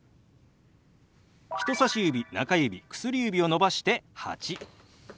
人さし指中指薬指を伸ばして「８」。